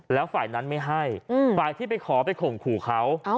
แล้วฝ่ายนั้นไม่ให้ฝ่ายที่ไปขอไปข่มขู่เขา